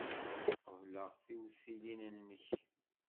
Qebleɣ tiwtilin-nnek.